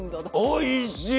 おいしい！